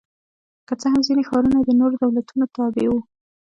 که څه هم ځیني ښارونه یې د نورو دولتونو تابع وو